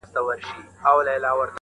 د هغه غرور په دام کي بندیوان سي -